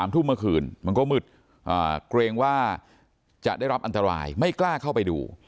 ทุ่มเมื่อคืนมันก็มืดเกรงว่าจะได้รับอันตรายไม่กล้าเข้าไปดู